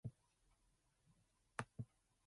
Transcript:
Murvagh is also the home to the Donegal Golf Club.